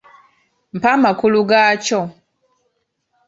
Mpa amakulu gaakyo.